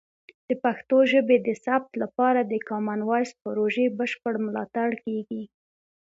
د پښتو ژبې د ثبت لپاره د کامن وایس پروژې بشپړ ملاتړ کیږي.